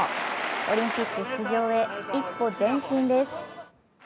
オリンピック出場へ一歩前進です。